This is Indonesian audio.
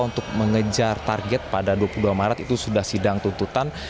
untuk mengejar target pada dua puluh dua maret itu sudah sidang tuntutan